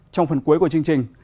trong phần cuối của chương trình